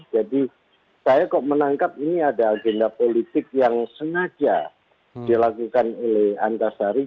jadi saya kok menangkap ini ada agenda politik yang sengaja dilakukan oleh antasari